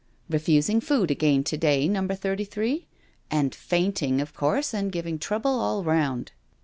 Refusing food again to day, Number Thirty three? And fainting, of course, and giving trouble all round.